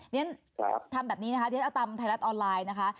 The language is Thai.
เพราะฉะนั้นทำแบบนี้ทีละตำไทยรัฐออนไลน์นะคะ